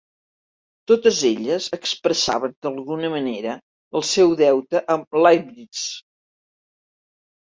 Totes elles expressaven d'alguna manera el seu deute amb Leibniz.